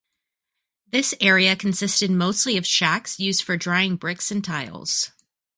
This area consisted mostly of shacks used for drying bricks and tiles.